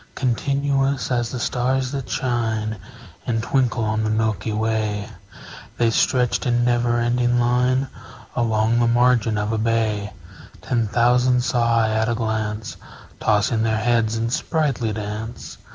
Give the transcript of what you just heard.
Continuous as the stars that shine And twinkle on the milky way, The stretched in never ending line Along the margin of a bay: Ten thousand saw I at a glance, Tossing their heads in sprightly dance.